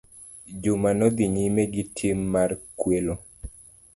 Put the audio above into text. Juma nodhi nyime gitim mar kwelo.